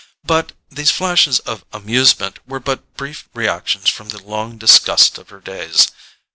But these flashes of amusement were but brief reactions from the long disgust of her days.